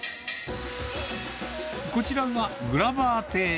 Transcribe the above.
こちらがグラバー亭。